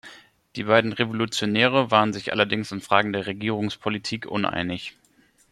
Die beiden Revolutionäre waren sich allerdings in Fragen der Regierungspolitik uneinig.